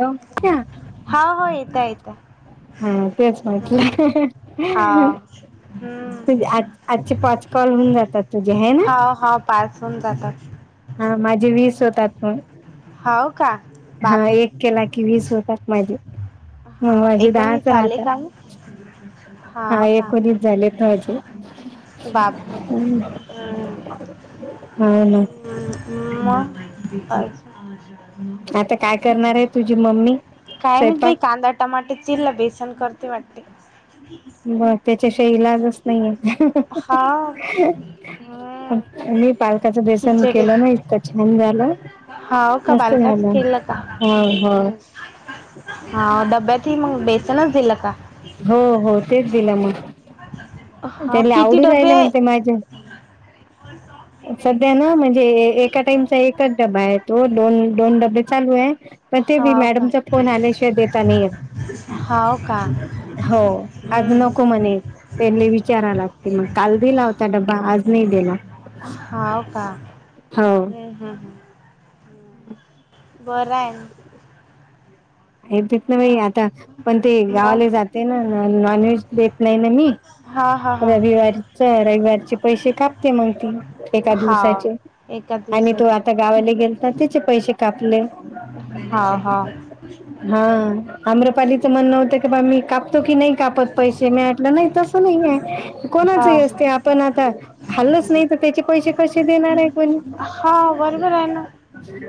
Hello हा होा येत येतं हा तेच हम् हा म्हटलं तुझे हम्म आज आजचे पाच कॉल होऊन जातात तुझे आहे ना हा हा पास होून जातात हा माझे वीस होतात मग हो का हा बापरी एक केला की वीस होतात माझी मग हाव माझे एकोणीस दहाच झाले राहतात का मग? हा हाव का एकोच झालेत हजून बापरे हम्म. हा ना [unintelligible] आता काय करणार आहे तुझी मम्मी काय माहित बाई स्वंपाक कांदा टमाटे चिल्ला बेसन करते वाटे ब त्याच्या शहीलाजच नाही आहे हाव हम्म मी पालकाचं व्यसन केलं ना इतकं छान झालं हो हो का मस्त बालकाच झालं खेळलं का हो हो हा डब्यात मग बेसनच दिलं का हो हो तेच दिलं मग हा त्याला किती आवडू राहिलं म्हणते माझ्या ह का सध्या ना म्हणजे एका टाइमचा एकच डबा आहे तो दोन, दोन डब्बे चालू आहे मग ते मी हाव का मॅडमचा फोन आल्याशिवाय देता नाही येत हाव का हो आज हम्म नको म्हणे त्यांनी विचारा लागते मग काल दिला होता ड्बा आज नाही दिला हो का् हम् ह् हम् बर आहे हे देत ना बा आता पण ते गावाले मग जाते ना नॉन व्हेज देत नाही ना मी हा, हा, हां रविवारी च रविवारीची पैसे कापते मग ती एका दिवसाचे हाव एका आणि तो आता दिवसाची गावाला गेल तर त्याचे पैसे कापले हा, हा हा आम्रपालीचं म्हणणं होतं की बा मी कापतो की नाही कापत पैसे मीटलं नाही तर हा कोणाच असते आपण आता खाल्लच नाही त्याचे पैसे कसे देणार आहे कोणी हा बरोबर आहे ना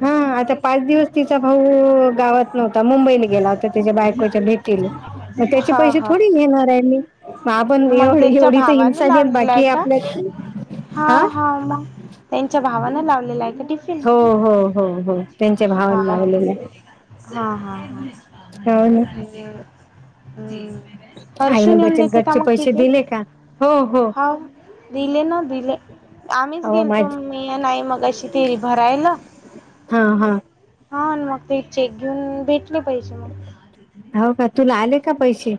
हा आता पाच दिवस तिचा भाऊ गावात आता मुंबईला गेला होता त्याच्या बायकोच्या भेटील मग त्याचे हा पैसे हा थोडी घेणार आहे मी ह पण मग एवढ त्यांच्या एवढी तर भावाने इंसानीत लावलेला आहे बाकी का आपल्या हा, हा म त्यांच्या भावानं लावलेला आहे का टिफिन हो हो हो हो त्यांच्या भावाला हा लावलेलं आहे हा, हा हो ना ह आईने बचत घटचे पैसे दिले का? हो हो हां दिले ना दिले आम्हीच हो गेलतो माझे मी नाही मग अशी फिरी भरायला हा, हा हा मग ते चेक घेऊन भेटले पाहिजे मग हो का तुला आले का पैसे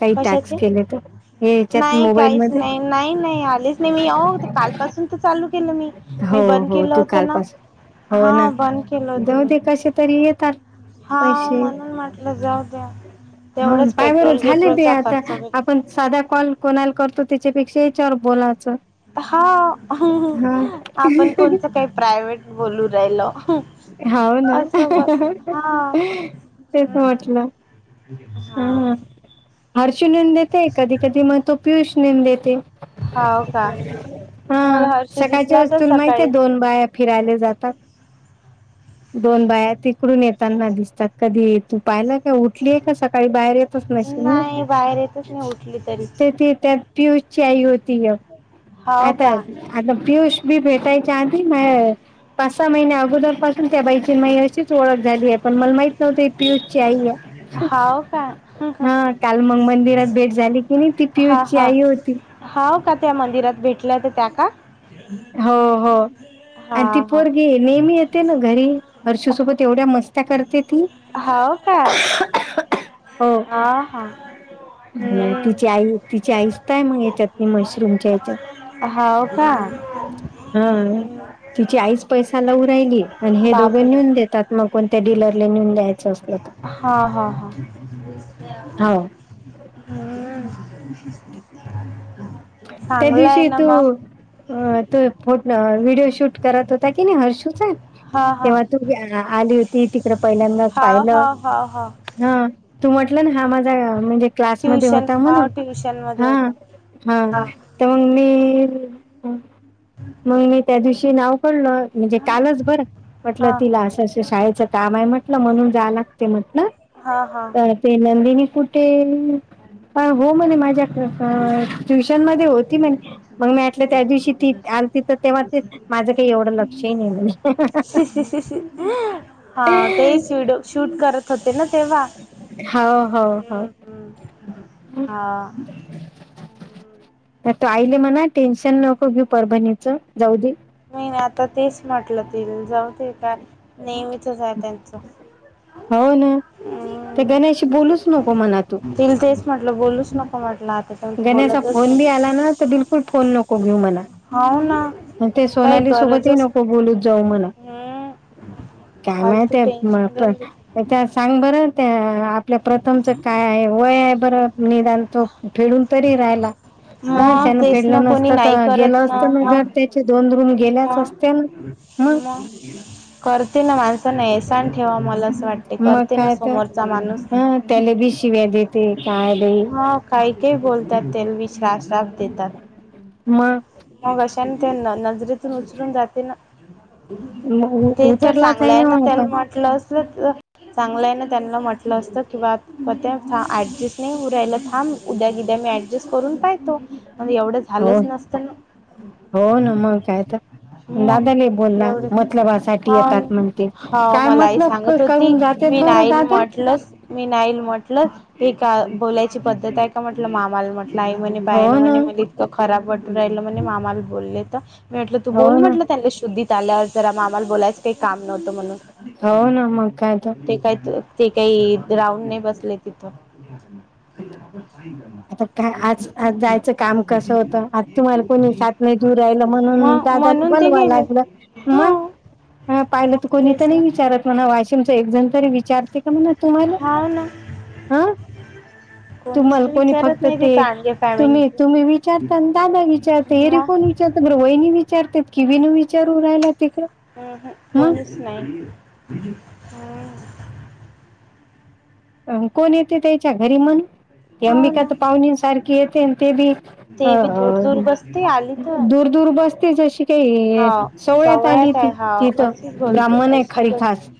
काही टास्क कशाचे केले तर हे याच्यात नाही काहीच मोबाईलमध्ये नाही नाही, नाही आलीच नाही मी आऊ काल पासून तर चालू केलं मी हो मी बंद हो केलं तू होतं ना कालपासून हा हो ना बंद केलं होत जाऊ मी दे कसे तरी येतात हा पैसे म्हणून म्हटलं जाऊ द्या हो तेवढंच पाय बरं पेट्रोल झाले बी गिट्रोलचा आता खर्च पण साधा कॉल कोणाला करतो त्याच्यापेक्षा चवर बोलायचं हा हा आपण कोणचं काही प्रायव्हेट बोलू राहिल हव ना हा तेच म्हटलं हा हर्षी नेन देते कधी कधी मग तो पियुष नेन देते हाव का हा मला हर्ष सकाळच्या दिसला वस् तर तुल माहिते सकाळी दोन बाया फिरायले जातात दोन बाया तिकडून येताना दिसतात कधी तू पाहिला का उठलीय का सकाळी बाहेर येतच नसेल ना नाही बाहेर येतच उठली तरी त्या पियुष ची आई होती एक हाव आता का आता पियुष बी भेटायच्या आध म पाच सहा महिने्या अगोदर पाासून त्या बाईची मा अशीच ओळख झाली आहे पण मला माहिित तू ती पियुष ची आई ह हाव का हा काल मग मंदिरात भेट झाली की नाही ती हा पीयची हा आई होती हाव का त्या मंदिरात भेटल्या ते त्या का हो हो आणि ती हा हा पोर घे नेहमी येते ना घरी हर्षीसोबत एवढ्या मस्त्या करते ती होव का हो ह हा तिची हम्म आई तिची आईस काय मग या्याच्यात मशरूमच्या याच्यात हा का हा हम्म. तिची आईच पैसा लाऊ राहिली आणि हे दोघे बापरे नेऊन देतात मग कोणत्या डीलरला नेऊन द्यायचं असलं तर हा हा हो हा् आवाज नाही त्यादविषयी त अ तो फोट व्हिडिओ शूट करत होता की नाही हर्षूचा हा हा तेव्हा तू आली होती तिकडं पहिल्यांदाच हाव पाहिलं हाव हाव हाव हा तू म्हटलं ना हा माझा म्हणजे क्लासमध्येध्ये ट्युशन होता हाव म्हणून ट्युशन मध्ये हा होता हा तर मग मी मग मी त्या दिवशी नाव पडल म्हणजे कालच बरं म्हटलं हा तिला असंं शाळेचं काम आहे म्हटलं म्हणून जा लागते म्हटलं हा हा तर ते नंदिनी कुठे अ हो म्हणे माझ्याक ट्युशन मध्ये होती म्ह मग मी म्हटलं त्या दिवशी ती आण तिथ तेव्हा ते माझं काही एवढं लक्षही नाही म्हणे हा तेच व्हडओ शूट करत होते ना तेव्हा होा हो ह हम्म हम्म हा तर तो आईले म्हणा टेन्शन नको घी परभणीचं जाऊ मी आता तेच म्हटलं ते जाऊते का नेहमीचच आहे त्यांचं हो ना ते गणेश बोलूच नको मना तू तल तेच म्हटलं बोलूच नको म्हटलं पण तू गण्याचा बोलतच फोन बी नाही आला ना तर बिलकुल फोन नको घेऊ मला हो ना ते काही सोनाली सोबतही गरजच नको बोलूत जाऊ म्हणा हम्म काम आहे फालतू ते म टेन्शन पण गंज त्या सांग बरं त्या आपल्या प्रथमच काय आहे वय आहे बरं निदान तो फेडून तरी रायला ह मग त्यान तेच ना फेडलं कोणी नसत नाही तर गेलं असतं ना घर दो म मग करतील ना माणसांना एसान ठेवा मला असं वाटत मग काय तर अ त्याला बी शिव्या देते काय हा काही काही बोलतात तेला वि श्रसास देतात मग मग अशाने त्यांना नजरेतून उचलून जाते ना ते जर उतरलाच आहे चांगलंय ना मग त्याला आपण म्हटलं अस चांगलं आहे ना त्यांना म्हटलं असतं किंवा ते ऍडजस्ट नाही उ राहिला ान उद्या कद्या मी ऍडजस्ट करून पाहतो मग एवढं हो झालंच नसतं हो ना मग काय तर मग दादाला बोलला एवढी मतलबासाठी हा येतात म्हणते हा काय मलाही मतलब सांगत होती करून जातेत मी बरं नाईल दादा म्हटलंस मी नाईल म्हट म्हटलं एक का बोलायची पद्धत आहे का म्हटलं मामाला म्हटलं आई म्हणे हो बाय नां ना म्हणे मली त खराब वाटून राहिल म्हणे मामाला बोलले तर मी म्हटलं तू हो बोल ना म्हट त्यांना शुद्धी त्याल्यावर जरा आम्हाला बोलायचं काही काम नव्हतं हो ना म्हणून मग काय तर ते काय ते काही राऊंड नाही बसले तिथं आता काय आज आ जायचं काम कसं होतं आज तुम्हाला कोणी सात नाही दूर राहिला म्हणून मग दादाने म्हणून ते बनवा गेले लागलं हा मग ह पाहिलं मग तर कोणी तर तेच नाही ना विचारत म्हणा वाशिमच एक जण तरी विचारते का म्हणा तुम्हाला हाव ना हा कोणीच तुम्हाला तर कोणी विचारत फक्त नाही तिथं ते आणले तुम्ही फॅमिली तुम्ही विचारता आणि दादा विचारते हेरीे मग कोण विचारत बर वहिणी विचारते कि विन विचारू राहिला तिकडे ह ह कोणीच नाही ह अ कोण येते त्याच्या घरी म्हणून तेी हो अंबिका ना तर पाहुणीं सारखी येते ते बी अ ते बी दूर दूर बसते आली तर दूर दूर बस ते जशी काही हा सोहळ्यात आली सवळ्यात ती आहे हा अशीच तिथं बोलते ब्राह्मण आहे अशीच खरी खास बोलते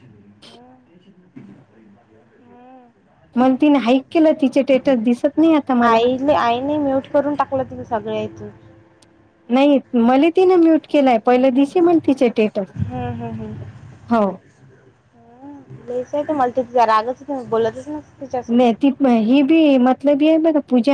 मला तिने हाईक केलं तिचे टेटस दिसत नाही आता मला आई नाही म्यूट करून टाकलं तिमही सगळळे इथून नाही मला तिन म्यूट केलाय पहिलं दिसे म्हण तिचे टेटर हम्म हम्म हो स आहे मला त ति रागच बोलतच ना तिच्यासोबत ब ही बी मतलबी आहे बघ पूजा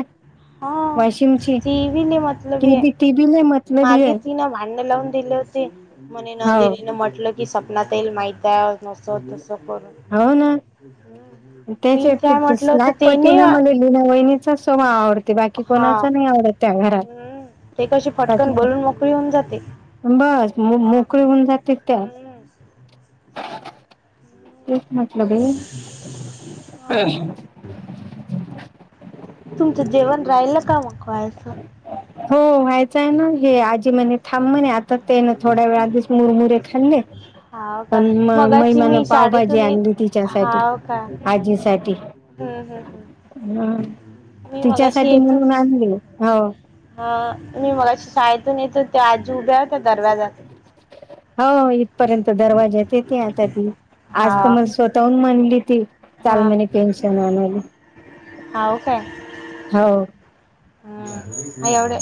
हा वाशिमची ती बी लई मतलबी ही आहे बी त म मागे तिनं भांड लावून दिले होते म्हणे हो नंदिनीने म्हटलं की स्वपनातल माहिती नस तस कर त्याच्या स्लॅग होतं ते पटी नाही ना मला लीला वहिनीचा सवभा आवडतो ते बाकी हा कोणाच नाही आवडत त्या घरात हम्म ते कशी फटकन बोलून मोकळी होऊन जाते हा बस मोकळे होऊन जाते त्या हम्म. ख्रिसम हो तुमचं जेवण राहिल का मकवायचं होय आहे ना हे आजी म्हणे थांब म्हणे आता तेन थोड्या वेळाधीच मुरमुरे खाल्ले होा का पण म मग अशी महिमानं मी पावभाजी शाळेतून य आणली हा तिच्यासाठी का आजीसाठी हम्म हम् ह हम् मी मगाशी येतोच हा मी मला शाळेतून येतो ते आजी उभ्या त्या दरवा्याजात हो इथपर्यंत दरवाजा तेेते आता ती हा आज तर म स्वः तन म्हनली ती हा काचालमने पेन्शन आणला हा काय हो एवढ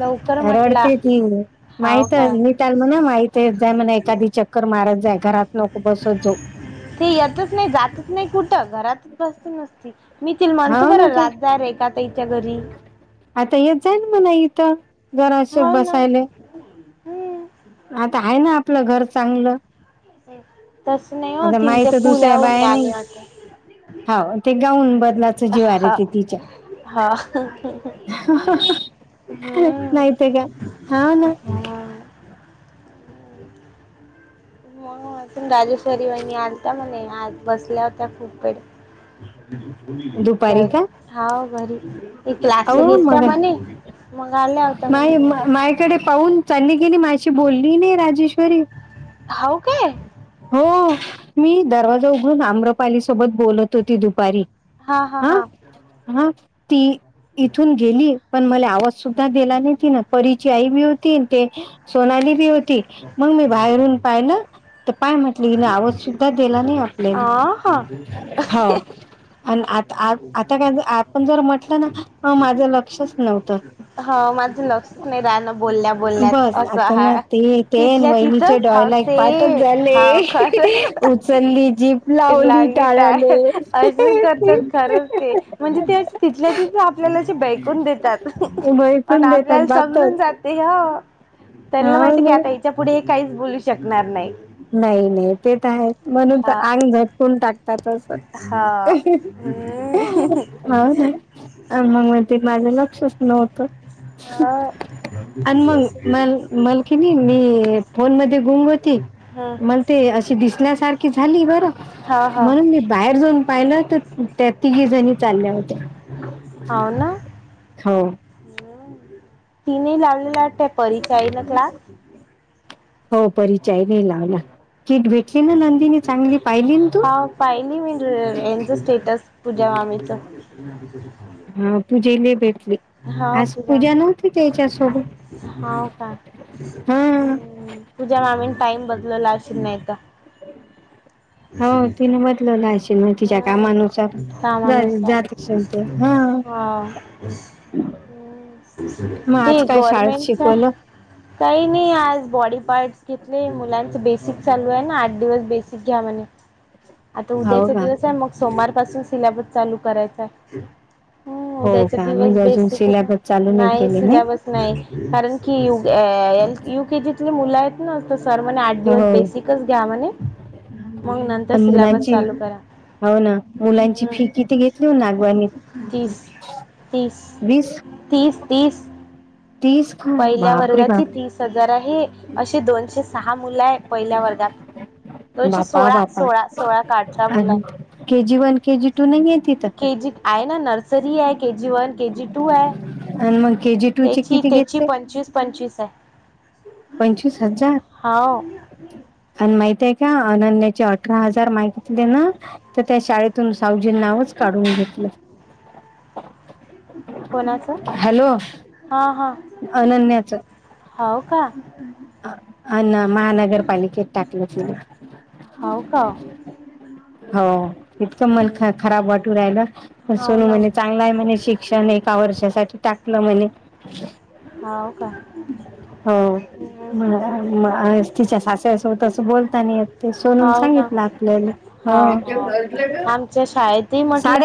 ल यारडती त माहित काय नीताल म्हणा माहित जाय म्हणा एखादी चक्कर मारत जाय घरात नको बसत जाो ते येतच नाही जातच नाही कुठ घरातच बसत नसती मिीथ म्हणतो हो ना बरं तर रात जा र आहे का तिच्या घरी आता येत जाईल मणा इथं जरा अस हो ना बसायला हम्म आता आहे ना आपलं घर चांगलं तस नाही आता होती माई ते तर पुला होून आले होता हा ते गाऊन बदला जीवार आहे हा ते तिच्या हा हम्म नयत का हा ना हा हो अजून राजेश्री वहिनी आलता मणे आज बसल्या होत्या खूप वेळ बरी दुपारी का हा बरी क्लास अहो घस का मग म्ह मग अल्े आवता म्हण दवी कडे पाहून त्यांनी केली माझ बोलली नाही राजेश्वरी हऊ का हो मी दरवाजा उघडून आम्रपाली सोबत बोलत होती दुपारी हा हा हा हा ती इथून गेली पण मला आवाज सुद्धा दिला नाही ति ना परीची आई बी होती ते सोनाली बी होती मग मी बाहेरून पाय ना तर पाय म्हटलं की ना आवाज सुुद्धा दिला नाही वा अ हा. हो आणि आता आ आता काय आपण जर म्हटलं ना माझं लक्षच नव्हतं हा माझं लक्षच नाही राहणं बोलण्या बोलण्यात बस असं आता ना आहे ते ते तिथल्या वहिनीचे तिथंच हाव डॉयला एक स पाठच झाले हाव खर उचलली जीप लावली लाली टार टाळ्याले असज कर खर ते म्हणजे ते तिथल्या तिथ आपल्याला बेकून देतात अ भैकून आपल्याला देतात समजून बातच जाते ह त्यांला हा माहिती ना च्या पुढे हे काहीच बोलू शकणार नाही नाही नाही ते तर आहे म्हणून तर हा आंग झटकून टाक त्यातच हा हम्म ह ना मग ते माझं लक्षच नव्हतं हा आणि मग मल मलकीनी मी फोन मध्ये गुंग होती हम्म मग ते अशी दिसल्यासारखी झाली बर हा हा म्हणून मी बाहेर पाहि तर त्या तिघे जणी चालल्या होत्या हा हम् तिने लावलेला वाटतय पररीचय आहे ना क्लास हो परिचय नाही लावला किट भेटली ना नंदिनी चांगली पाहिली ना तू हा पाहिली मी यांचं स्टेटस पूजा मामीच हा पूजेले भेटले आज पूजा नव्हती त्याच्यासोबत ठवका हा. ् तूझ्या मामी टाइम बदललावशित नाही तर हो तिने बदलला आहेशल मग तिच्या कामानुसार हम्म, कामानुसार जात हा मग हम् ते आज काय शाळेत गवर्मेंटच्या शिकवलं काही नाही आज बॉडी पार्टस घेतले मुलांच बेसिक चालू आहे ना आठ दिवस बेसिक घ्या म्हणे आता हो उद्याचा का दिवस आहे मग सोमार पाासून सिलेबस चालू करायचा आहे. हम् हो उद्याच्या का दिवस म्हणजे अजून बेसिक कच सिलेबस चालू आहे नाही केले सिल्या नाही कारण की ल यु केजीतले मुलं आहेत. नवत सर म्हणे आठ दिवस हो बेसिकच घ्या म्हणे. मग नंतर आणि सिलॅबस मुलांची चालू करा. हो ना मुलांची फी हम्म किती घेतली हो नागवानी? तीस तीस वीस तीस तीस. तीस. का पहिल्या बापरे वर्गाची बाप तीस हजार आहे असे दोनशे सहा मुलं आहे पहिल्या वर्गात. दोनशे बापा सोळा बापा सोळा सोळा काठच्या मुला आणि K G one K G two नाही आहे तिथं केजी. आहे ना नर्सरी आहे केजी वन केजी टू आहे. आणि मग केजी टू चे त्याची किती घेत त्याची पंचवीस पंचवीस आहे. पंचवीस हजार हो आणि माहित आहे का अनन्याची अट अकरा हजार मागितले ना तर त्या शाळेत. ून सावजी नावच काढून घेतलं. कोणाच? हा हा. अनन्याचं. हो का. अना महानगरपालिकेत टाकलं तिला. हो का. हो तितकं मल ख खराब वाटू राहिला. हो नू ना म्हणे चांगला आहे म्हणे शिक्षण एका वर्षासाठी टाकलं म्हणे. हव का. हो तिच्या सासरा सोबत असं बोलता नाही यत. ती सोून हो ना सांगित आपल्या हो आमच्या शाळेतही साडे म्हटलं